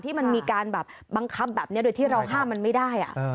ที่มันมีการแบบบังคับแบบนี้โดยที่เราห้ามมันไม่ได้